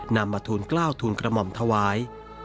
นำมาทูลกล้าวทูลกระหม่อมถวาย